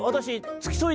「つきそい。